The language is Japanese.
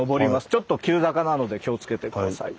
ちょっと急坂なので気を付けて下さい。